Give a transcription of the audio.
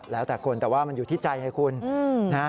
แล้วแต่คนแต่ว่ามันอยู่ที่ใจไงคุณนะ